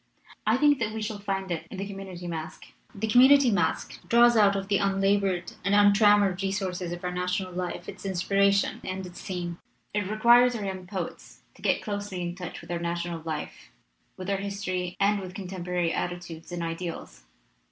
I think that we shall find it in the community masque. The community masque draws out of the un labored and untrammeled resources of our national life its inspiration and its theme. It requires our young poets to get closely in touch with our national life, with our history and with contem porary attitudes and ideals.